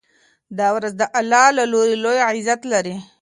دا ورځ د الله له لوري لوی عزت لري.